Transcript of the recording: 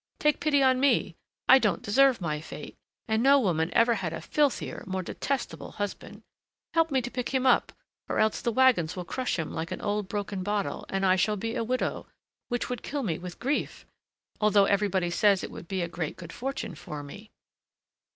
take pity on me! I don't deserve my fate, and no woman ever had a filthier, more detestable husband. Help me to pick him up, or else the wagons will crush him like an old broken bottle, and I shall be a widow, which would kill me with grief, although everybody says it would be great good fortune for me."